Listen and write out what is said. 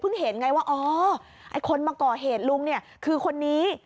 เห็นไงว่าอ๋อไอ้คนมาก่อเหตุลุงเนี่ยคือคนนี้